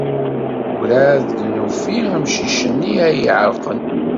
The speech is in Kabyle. Werɛad d-nufi amcic-nni ay iɛerqen.